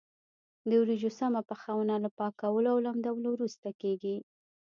د وریجو سمه پخونه له پاکولو او لمدولو وروسته کېږي.